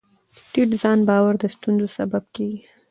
ټیټ ځان باور د ستونزو سبب کېږي.